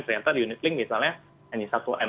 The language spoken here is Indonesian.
ternyata di unit link misalnya hanya satu m